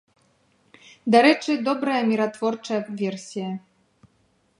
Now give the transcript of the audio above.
Дарэчы, добрая міратворчая версія.